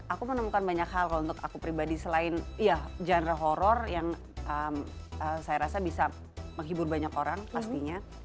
aku menemukan banyak hal kalau untuk aku pribadi selain ya genre horror yang saya rasa bisa menghibur banyak orang pastinya